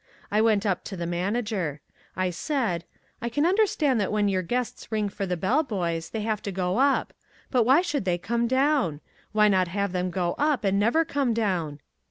I went up to the manager. I said, 'I can understand that when your guests ring for the bell boys they have to go up. But why should they come down? Why not have them go up and never come down?'